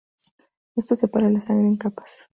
Esto separa la sangre en capas.